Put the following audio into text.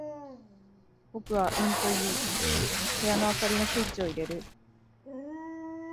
僕はうんと言い、部屋の灯りのスイッチを入れる。